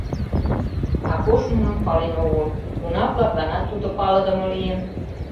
Акош нуным пален огыл, уна-влакланат тудо палыдыме лийын.